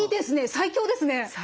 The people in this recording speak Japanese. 最強ですね。